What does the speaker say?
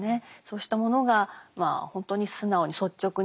そうしたものが本当に素直に率直に語られている。